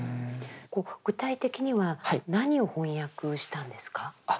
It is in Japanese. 具体的には何を翻訳したんですか？